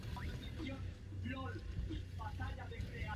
Los pueblos más afectados fueron los de la parte oriental del país.